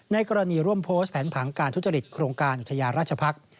กรณีร่วมโพสต์แผนผังการทุจริตโครงการอุทยาราชภักษ์